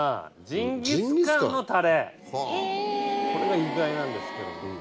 これが意外なんですけど。